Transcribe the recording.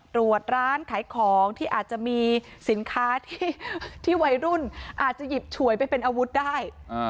ตรวจร้านขายของที่อาจจะมีสินค้าที่วัยรุ่นอาจจะหยิบฉวยไปเป็นอาวุธได้